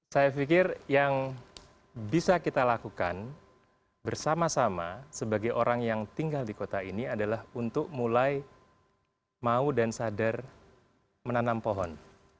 saya pikir yang bisa kita lakukan bersama sama sebagai orang yang tinggal di kota ini adalah untuk mulai mau dan sadar menanam pohon